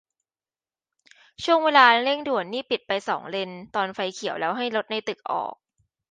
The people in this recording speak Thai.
ช่วงเวลาเร่งด่วนนี่ปิดไปสองเลนตอนไฟเขียวแล้วให้รถในตึกออก